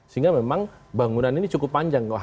sehingga memang bangunan ini cukup panjang